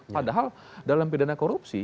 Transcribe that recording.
padahal dalam pidana korupsi